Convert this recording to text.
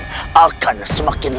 kau yang di belakang